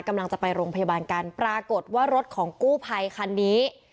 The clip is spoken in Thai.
กำลังจะไปโรงพยาบาลกันปรากฏว่ารถของกู้ภัยคันนี้